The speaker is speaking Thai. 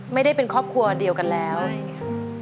ไม่ได้เป็นครอบครัวเดียวกันแล้วอเรนนี่ไม่